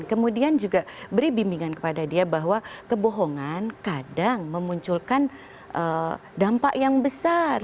kemudian juga beri bimbingan kepada dia bahwa kebohongan kadang memunculkan dampak yang besar